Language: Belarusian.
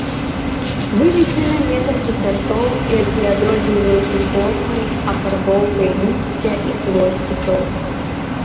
Выведзена некалькі сартоў, якія адрозніваюцца формай афарбоўкай лісця і хвосцікаў.